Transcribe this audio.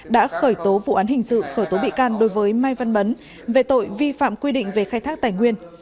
đã khởi tố vụ án hình sự khởi tố bị can đối với mai văn bấn về tội vi phạm quy định về khai thác tài nguyên